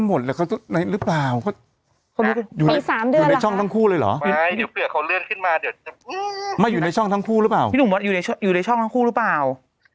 เหนือไม่รู้จักคนเดียว